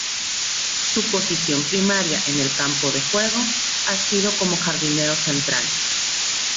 Su posición primaria en el campo de juego ha sido como jardinero central.